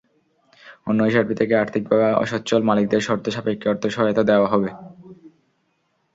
অন্য হিসাবটি থেকে আর্থিকভাবে অসচ্ছল মালিকদের শর্ত সাপেক্ষে অর্থ সহায়তা দেওয়া হবে।